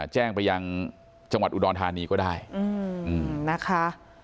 แจ้งไปยังจังหวัดอุดรธานีก็ได้นะคะ